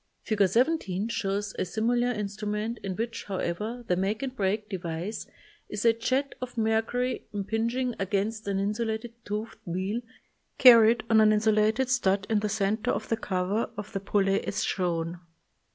Fig. 17 shows a similar instrument in which, however, the make and break device is a jet of mercury impinging against an insulated toothed wheel carried on an insu lated stud in the center of the cover of the pulley as shown.